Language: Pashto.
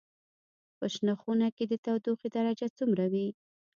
په شنه خونه کې د تودوخې درجه څومره وي؟